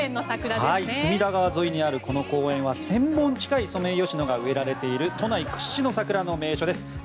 隅田川沿いにあるこの公園は１０００本近いソメイヨシノが植えられている都内屈指の桜の名所です。